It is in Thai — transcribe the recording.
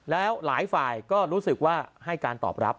แล้วหลายฝ่ายก็รู้สึกว่าให้การตอบรับ